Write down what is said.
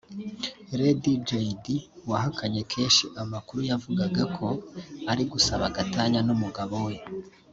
Lady Jaydee wahakanye kenshi amakuru yavugaga ko ari gusaba gatanya n’umugabo we